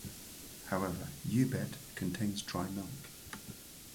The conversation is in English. However, U-bet contains dry milk.